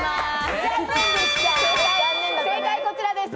正解こちらです。